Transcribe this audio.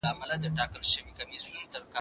موږ چي ول بالا به باران ونه وورېږي باره وورېده